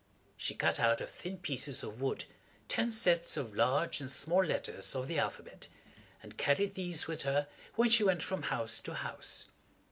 She cut out of thin pieces of wood ten sets of large and small letters of the alphabet, and carried these with her when she went from house to house.